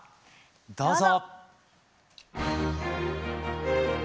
どうぞ。